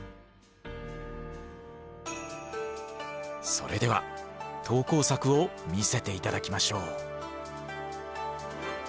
それでは投稿作を見せて頂きましょう。